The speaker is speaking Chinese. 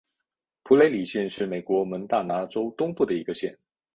普雷里县是美国蒙大拿州东部的一个县。